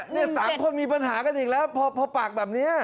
๓คนมีปัญหากันอีกแล้วพอปากแบบนี้